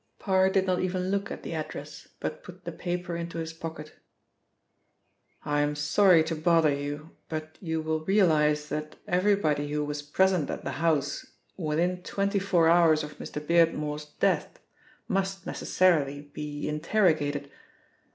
Parr did not even look at the address, but put the paper into his pocket. "I'm sorry to bother you, but you will realise that everybody who was present at the house within twenty four hours of Mr. Beardmore's death must necessarily be interrogated.